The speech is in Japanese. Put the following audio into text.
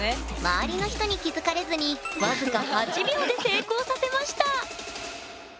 周りの人に気付かれずに僅か８秒で成功させました！